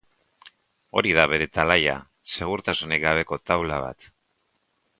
Hori da bere talaia, segurtasunik gabeko taula bat.